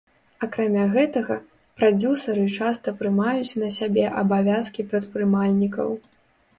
Акрамя гэтага, прадзюсары часта прымаюць на сябе абавязкі прадпрымальнікаў.